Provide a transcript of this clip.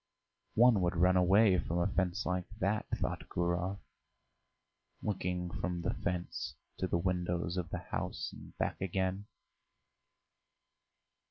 "One would run away from a fence like that," thought Gurov, looking from the fence to the windows of the house and back again.